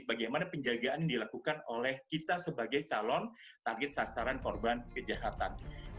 bagaimana penjagaan yang dilakukan oleh kita sebagai calon target sasaran korban kejahatan